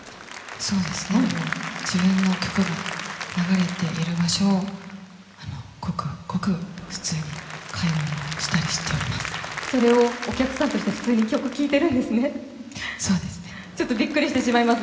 自分の曲が流れている場所をごくごく普通に買い物をしたりしております。